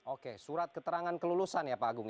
oke surat keterangan kelulusan ya pak agung